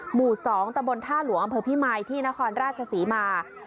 หมู่๒ตะบนท่าหลวงอำเภอพิมายที่นครราชศรีมา